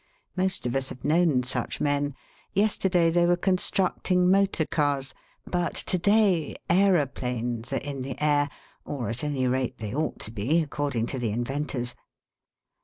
Most of us have known such men. Yesterday they were constructing motorcars. But to day aeroplanes are in the air or, at any rate, they ought to be, according to the inventors.